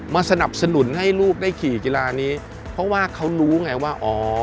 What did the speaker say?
สนับสนุนให้ลูกได้ขี่กีฬานี้เพราะว่าเขารู้ไงว่าอ๋อ